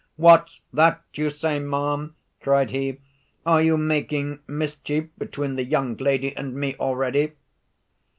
"What's that you say, madam?" cried he; "are you making mischief between the young lady and me already?"